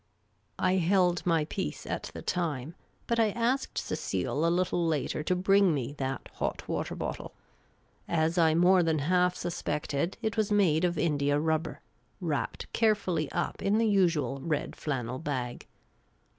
I held my peace at the time, but I asked Cecile a little later to bring me that hot water bottle. As I more than half suspected, it was made of india rubber, wrapped care fully up in the usual red flannel bag.